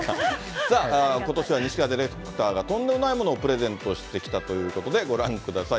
さあ、ことしは西川ディレクターが、とんでもないものをプレゼントしてきたということで、ご覧ください。